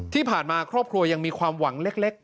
ที่ผ่านมาครอบครัวยังมีความหวังเล็ก